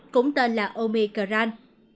cũng tên là omicron